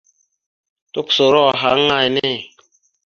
Tukəsoro ahaŋ aŋa enne.